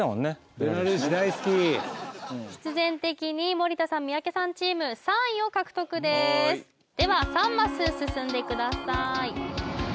ベラルーシ大好き必然的に森田さん三宅さんチーム３位を獲得ですでは３マス進んでください